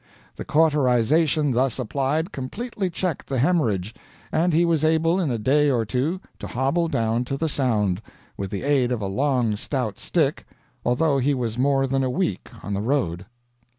The cauterization thus applied completely checked the hemorrhage, and he was able in a day or two to hobble down to the Sound, with the aid of a long stout stick, although he was more than a week on the road."